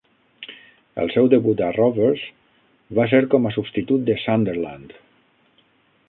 El seu debut a Rovers va ser com a substitut de Sunderland.